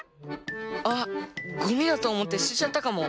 あっゴミだとおもってすてちゃったかも。